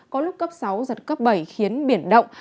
có lúc cấp sáu giật cấp bảy khiến biển động